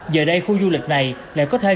giờ đây khu du lịch này lại có thêm